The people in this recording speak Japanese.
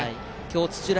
土浦